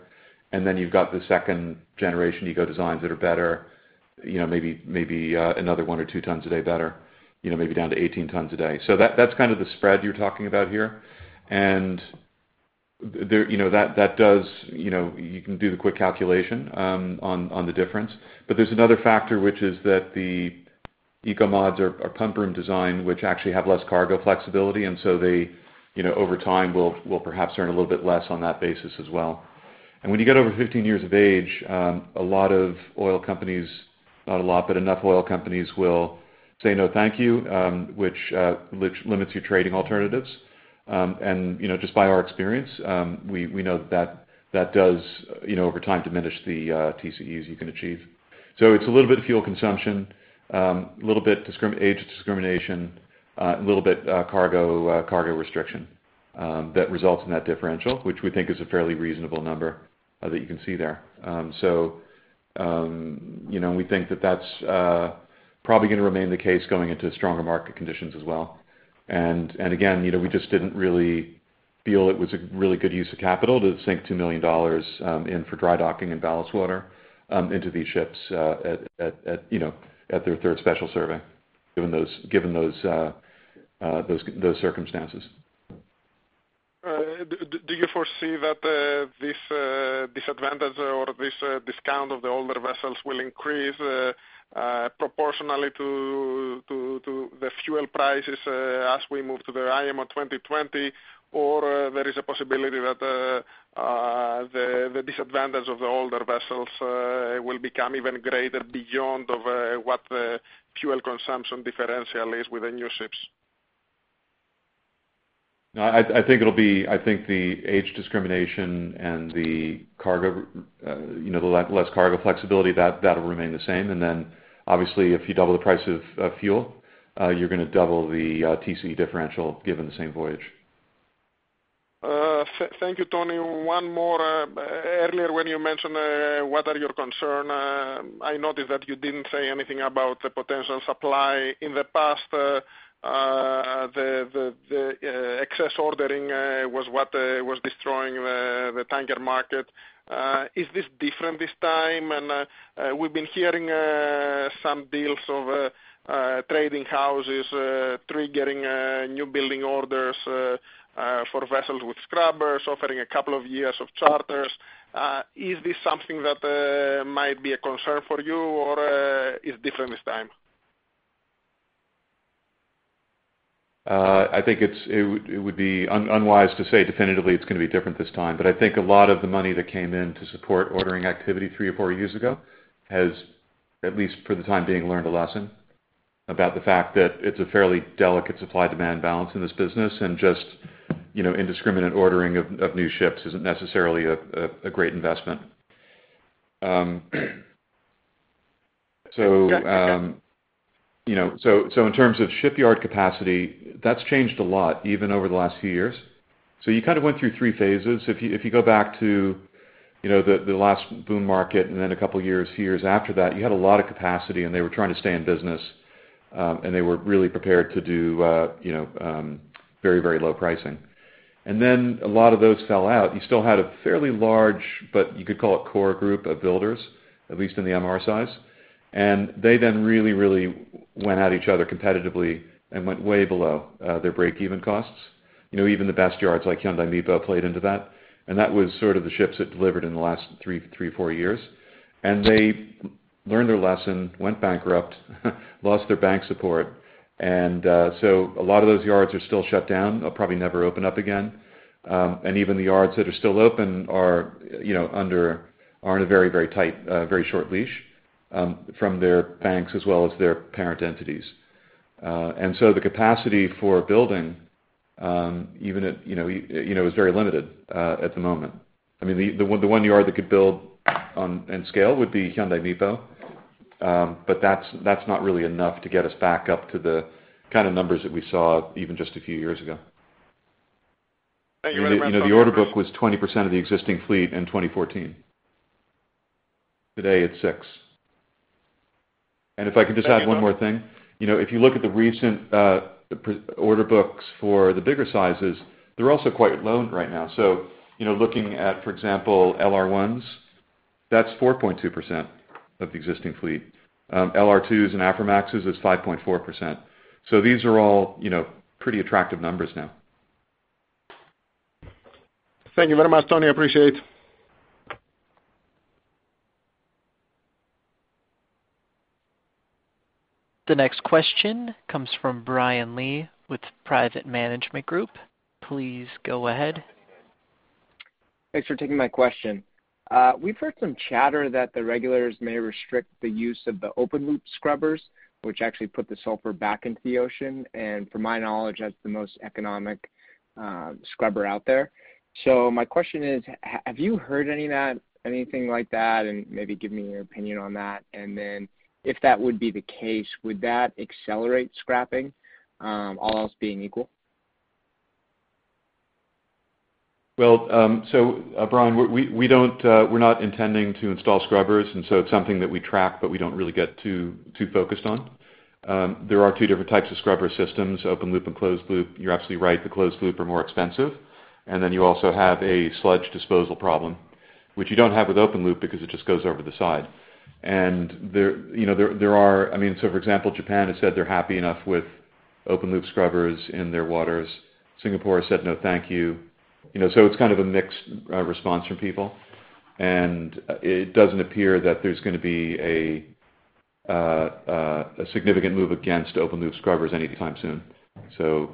And then you've got the second generation Eco designs that are better, you know, maybe, maybe, another one or two tons a day better, you know, maybe down to 18 tons a day. So that, that's kind of the spread you're talking about here. And there, you know, that, that does, you know, you can do the quick calculation, on the difference. But there's another factor, which is that the Eco mods are pump room design, which actually have less cargo flexibility, and so they, you know, over time, will perhaps earn a little bit less on that basis as well. And when you get over 15 years of age, a lot of oil companies, not a lot, but enough oil companies will say, "No, thank you," which limits your trading alternatives. You know, just by our experience, we know that that does, you know, over time, diminish the TCEs you can achieve. So it's a little bit of fuel consumption, a little bit age discrimination, a little bit cargo restriction that results in that differential, which we think is a fairly reasonable number that you can see there. So, you know, and we think that that's probably gonna remain the case going into stronger market conditions as well. And again, you know, we just didn't really feel it was a really good use of capital to sink $2 million in for dry docking and ballast water into these ships at their Third Special Survey, given those circumstances. Do you foresee that this disadvantage or this discount of the older vessels will increase proportionally to the fuel prices as we move to the IMO 2020, or there is a possibility that the disadvantage of the older vessels will become even greater beyond of what the fuel consumption differential is with the new ships? No, I think it'll be—I think the age discrimination and the cargo, you know, the less cargo flexibility, that'll remain the same. And then, obviously, if you double the price of fuel, you're gonna double the TC differential, given the same voyage. Thank you, Tony. One more. Earlier, when you mentioned what are your concern, I noticed that you didn't say anything about the potential supply. In the past, the excess ordering was what was destroying the tanker market. Is this different this time? And we've been hearing some deals of trading houses triggering new building orders for vessels with scrubbers, offering a couple of years of charters. Is this something that might be a concern for you, or it's different this time? I think it would be unwise to say definitively it's gonna be different this time. But I think a lot of the money that came in to support ordering activity three or four years ago has, at least for the time being, learned a lesson about the fact that it's a fairly delicate supply-demand balance in this business, and just, you know, indiscriminate ordering of new ships isn't necessarily a great investment. So, you know, in terms of shipyard capacity, that's changed a lot, even over the last few years. So you kind of went through three phases. If you, if you go back to, you know, the, the last boom market and then a couple years after that, you had a lot of capacity, and they were trying to stay in business, and they were really prepared to do, you know, very, very low pricing. And then a lot of those fell out. You still had a fairly large, but you could call it core group of builders, at least in the MR size. And they then really, really went at each other competitively and went way below their break-even costs. You know, even the best yards, like Hyundai Mipo, played into that, and that was sort of the ships that delivered in the last three, four years. And they learned their lesson, went bankrupt, lost their bank support, and so a lot of those yards are still shut down, they'll probably never open up again. And even the yards that are still open are, you know, in a very, very tight, very short leash, from their banks, as well as their parent entities. And so the capacity for building, even at, you know, you know, is very limited, at the moment. I mean, the one yard that could build on and scale would be Hyundai Mipo. But that's not really enough to get us back up to the kind of numbers that we saw even just a few years ago. Thank you very much- You know, the order book was 20% of the existing fleet in 2014. Today, it's 6%. And if I could just add one more thing, you know, if you look at the recent pre-order books for the bigger sizes, they're also quite low right now. So, you know, looking at, for example, LR1s, that's 4.2% of the existing fleet. LR2s and Aframaxes, it's 5.4%. So these are all, you know, pretty attractive numbers now. Thank you very much, Tony. I appreciate. The next question comes from Brian Lee with Private Management Group. Please go ahead. Thanks for taking my question. We've heard some chatter that the regulators may restrict the use of the open-loop scrubbers, which actually put the sulfur back into the ocean, and from my knowledge, that's the most economic scrubber out there. So my question is: Have you heard any of that, anything like that? And maybe give me your opinion on that. And then, if that would be the case, would that accelerate scrapping, all else being equal? Well, so, Brian, we don't, we're not intending to install scrubbers, and so it's something that we track, but we don't really get too focused on. There are two different types of scrubber systems, open-loop and closed-loop. You're absolutely right, the closed loop are more expensive. And then you also have a sludge disposal problem, which you don't have with open loop, because it just goes over the side. And there, you know, are. I mean, so for example, Japan has said they're happy enough with open-loop scrubbers in their waters. Singapore has said, "No, thank you." You know, so it's kind of a mixed response from people... and, it doesn't appear that there's gonna be a significant move against open loop scrubbers anytime soon. So,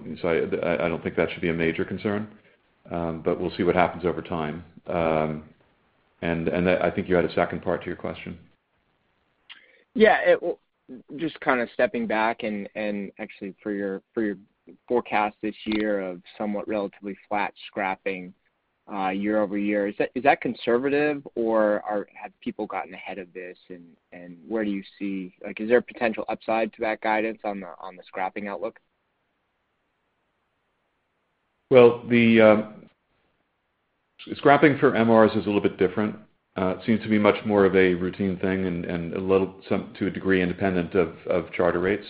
I don't think that should be a major concern, but we'll see what happens over time. And I think you had a second part to your question. Yeah, just kind of stepping back and actually for your forecast this year of somewhat relatively flat scrapping year-over-year. Is that conservative or have people gotten ahead of this? And where do you see—like, is there a potential upside to that guidance on the scrapping outlook? Well, the scrapping for MRs is a little bit different. It seems to be much more of a routine thing and, to a degree, independent of charter rates,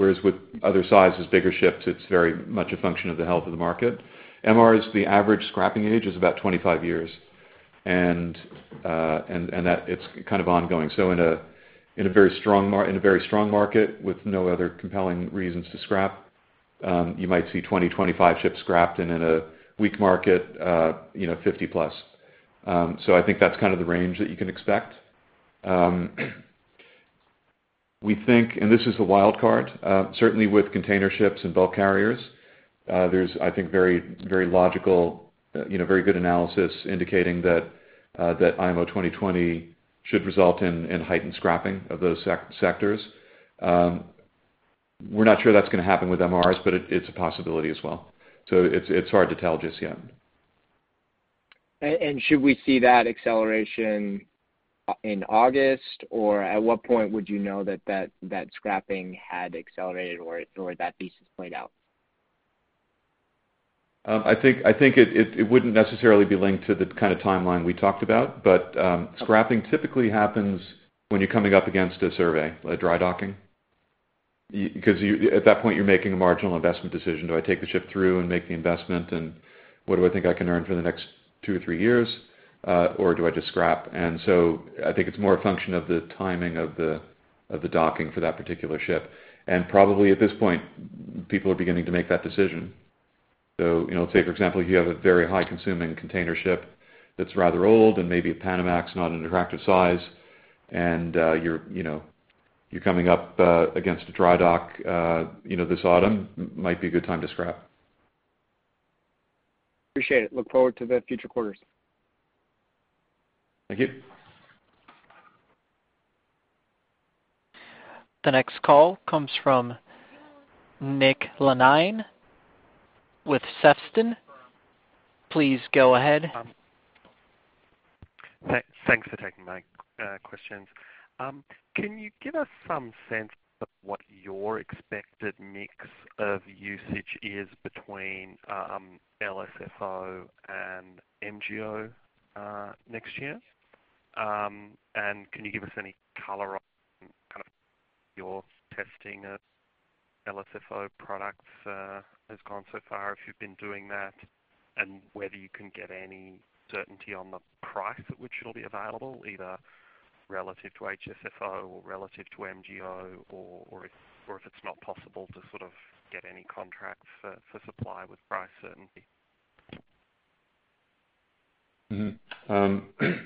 whereas with other sizes, bigger ships, it's very much a function of the health of the market. MR is the average scrapping age is about 25 years, and that it's kind of ongoing. So in a very strong market with no other compelling reasons to scrap, you might see 20-25 ships scrapped, and in a weak market, you know, 50+. So I think that's kind of the range that you can expect. We think, and this is a wild card, certainly with container ships and bulk carriers, there's, I think, very, very logical, you know, very good analysis indicating that IMO 2020 should result in heightened scrapping of those sectors. We're not sure that's gonna happen with MRs, but it's a possibility as well. So it's hard to tell just yet. Should we see that acceleration in August, or at what point would you know that scrapping had accelerated or that thesis played out? I think it wouldn't necessarily be linked to the kind of timeline we talked about, but scrapping typically happens when you're coming up against a survey, a dry docking. Because you, at that point, you're making a marginal investment decision. Do I take the ship through and make the investment, and what do I think I can earn for the next two or three years, or do I just scrap? And so I think it's more a function of the timing of the docking for that particular ship. And probably at this point, people are beginning to make that decision. So, you know, say, for example, if you have a very high-consuming container ship that's rather old and maybe a Panamax, not an attractive size, and you're, you know, coming up against a dry dock, you know, this autumn, might be a good time to scrap. Appreciate it. Look forward to the future quarters. Thank you. The next call comes from Nick Lannine with Sefton. Please go ahead. Thanks for taking my questions. Can you give us some sense of what your expected mix of usage is between LSFO and MGO next year? And can you give us any color on kind of your testing of LSFO products has gone so far, if you've been doing that, and whether you can get any certainty on the price at which it'll be available, either relative to HSFO or relative to MGO, or if it's not possible to sort of get any contracts for supply with price certainty? Mm-hmm.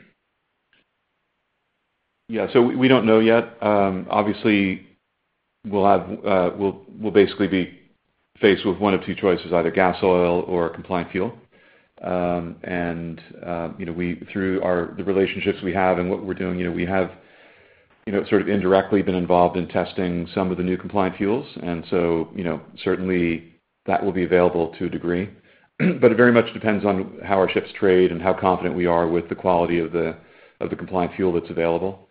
Yeah, so we don't know yet. Obviously, we'll basically be faced with one of two choices, either gas oil or compliant fuel. And you know, we through the relationships we have and what we're doing, you know, we have you know, sort of indirectly been involved in testing some of the new compliant fuels. And so, you know, certainly, that will be available to a degree. But it very much depends on how our ships trade and how confident we are with the quality of the compliant fuel that's available.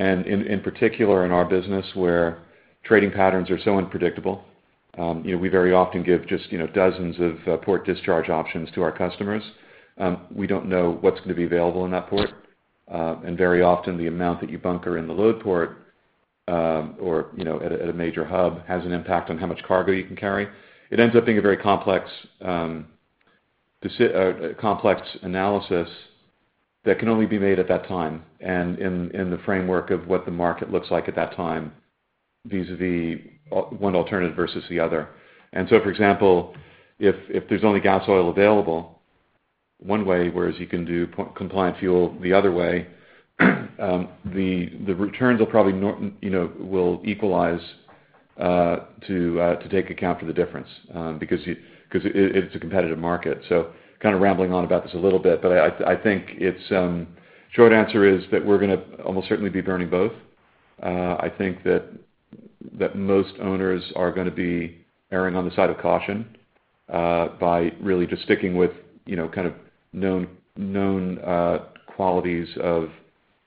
And in particular, in our business, where trading patterns are so unpredictable, you know, we very often give just you know, dozens of port discharge options to our customers. We don't know what's going to be available in that port. Very often, the amount that you bunker in the load port, or, you know, at a major hub, has an impact on how much cargo you can carry. It ends up being a very complex analysis that can only be made at that time and in the framework of what the market looks like at that time vis-a-vis one alternative versus the other. And so, for example, if there's only gas oil available one way, whereas you can do compliant fuel the other way, the returns will probably normalize, you know, to take account for the difference, because it is a competitive market. So kind of rambling on about this a little bit, but I think it's, short answer is that we're gonna almost certainly be burning both. I think that most owners are gonna be erring on the side of caution by really just sticking with, you know, kind of known qualities of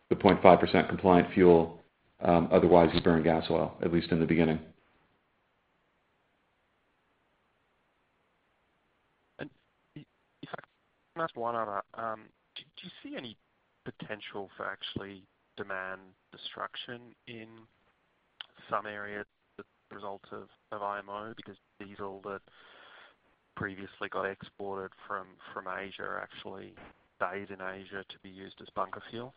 the 0.5% compliant fuel, otherwise you burn gas oil, at least in the beginning. If I can ask one other, do you see any potential for actually demand destruction in some areas as a result of IMO, because diesel that previously got exported from Asia actually stayed in Asia to be used as bunker fuel?...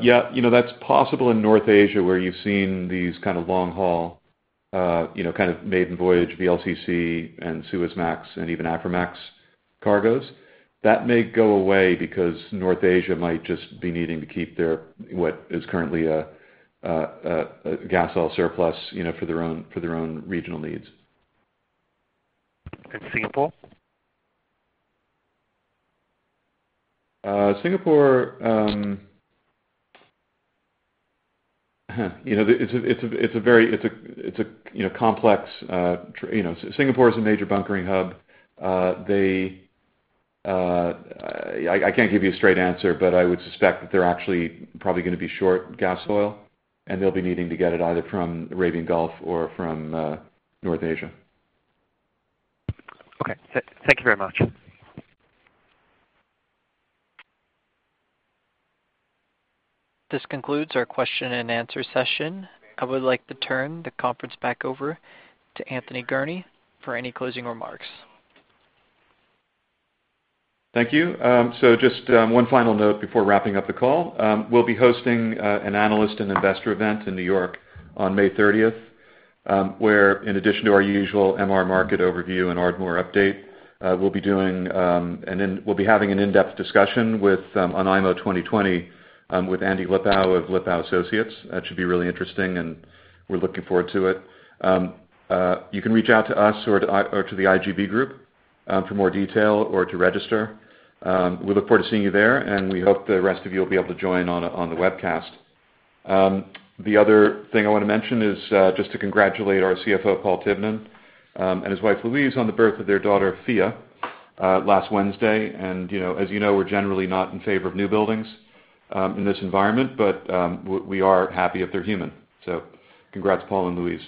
Yeah, you know, that's possible in North Asia, where you've seen these kind of long-haul, you know, kind of maiden voyage, VLCC, and Suezmax and even Aframax cargoes. That may go away because North Asia might just be needing to keep their, what is currently a, a, a gas oil surplus, you know, for their own, for their own regional needs. And Singapore? Singapore, you know, it's a very complex, you know, Singapore is a major bunkering hub. I can't give you a straight answer, but I would suspect that they're actually probably gonna be short gas oil, and they'll be needing to get it either from Arabian Gulf or from North Asia. Okay. Thank you very much. This concludes our question and answer session. I would like to turn the conference back over to Anthony Gurnee for any closing remarks. Thank you. So just one final note before wrapping up the call. We'll be hosting an analyst and investor event in New York on May thirtieth, where in addition to our usual MR market overview and Ardmore update, we'll be having an in-depth discussion with on IMO 2020 with Andy Lipow of Lipow Associates. That should be really interesting, and we're looking forward to it. You can reach out to us or to the IGB Group for more detail or to register. We look forward to seeing you there, and we hope the rest of you will be able to join on the webcast. The other thing I want to mention is just to congratulate our CFO, Paul Tivnan, and his wife, Louise, on the birth of their daughter, Fia, last Wednesday. You know, as you know, we're generally not in favor of new buildings in this environment, but we are happy if they're human. So congrats, Paul and Louise.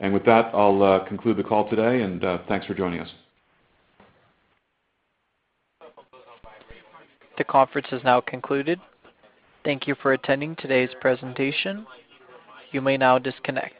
With that, I'll conclude the call today, and thanks for joining us. The conference is now concluded. Thank you for attending today's presentation. You may now disconnect.